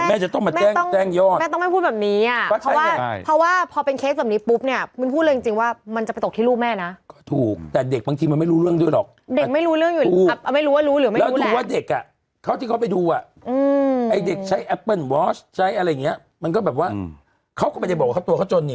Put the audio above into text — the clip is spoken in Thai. แอปเปิ้ลวอชใจอะไรอย่างเงี้ยมันก็แบบว่าเขาก็ไม่ได้บอกว่าตัวเขาจนนี่